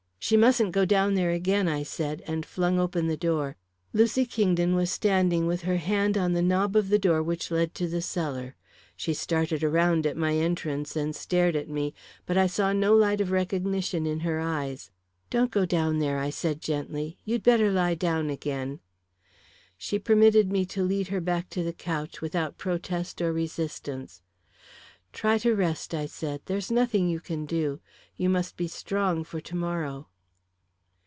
"She mustn't go down there again," I said, and flung open the door. Lucy Kingdon was standing with her hand on the knob of the door which led to the cellar. She started around at my entrance, and stared at me, but I saw no light of recognition in her eyes. "Don't go down there," I said gently. "You'd better lie down again." She permitted me to lead her back to the couch without protest or resistance. "Try to rest," I said. "There's nothing you can do. You must be strong for to morrow."